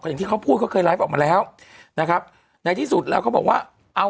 อย่างที่เขาพูดเขาเคยไลฟ์ออกมาแล้วนะครับในที่สุดแล้วเขาบอกว่าเอา